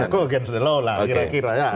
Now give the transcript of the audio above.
kok against the law lah kira kira ya